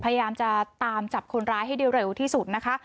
พยายามจะตามจับคนร้ายให้ได้เร็วที่สุดนะคะ